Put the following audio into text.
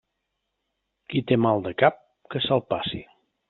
Qui té mal de cap que se'l passi.